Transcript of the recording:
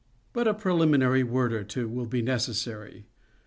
But a preliminary word or two will be necessary.